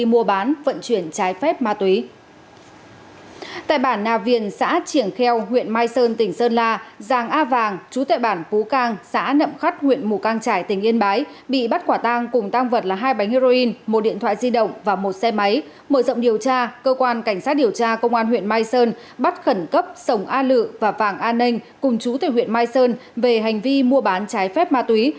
mở rộng điều tra cơ quan cảnh sát điều tra công an huyện mai sơn bắt khẩn cấp sổng a lự và vàng an ninh cùng chú thầy huyện mai sơn về hành vi mua bán trái phép ma túy